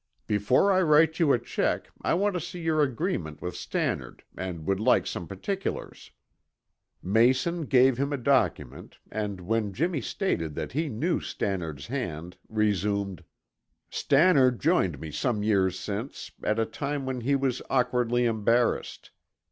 Before I write you a check, I want to see your agreement with Stannard and would like some particulars." Mayson gave him a document, and when Jimmy stated that he knew Stannard's hand, resumed: "Stannard joined me some years since, at a time when he was awkwardly embarrassed.